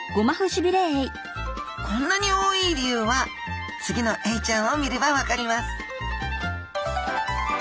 こんなに多い理由は次のエイちゃんを見れば分かります！